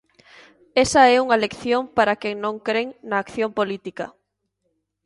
Esa é unha lección para quen non cren na acción política.